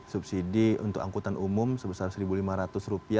subsidi untuk angkutan umum sebesar rp satu lima ratus